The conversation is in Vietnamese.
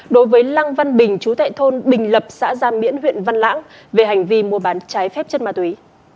đối với lăng văn bình chú tại thôn bình lập xã gia miễn huyện văn lãng về hành vi mua bán trái phép chất ma túy